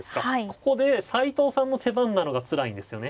ここで斎藤さんの手番なのがつらいんですよね。